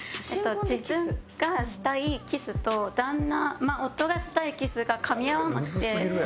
自分がしたいキスと旦那夫がしたいキスがかみ合わなくて。